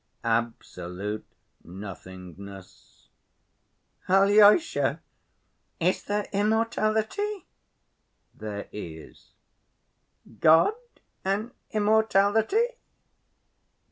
"Absolute nothingness." "Alyosha, is there immortality?" "There is." "God and immortality?"